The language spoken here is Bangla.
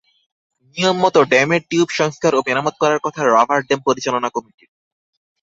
নিয়মমতো ড্যামের টিউব সংস্কার ও মেরামত করার কথা রাবার ড্যাম পরিচালনা কমিটির।